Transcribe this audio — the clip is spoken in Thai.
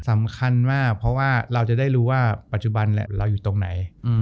สำคัญมากเพราะว่าเราจะได้รู้ว่าปัจจุบันเราอยู่ตรงไหน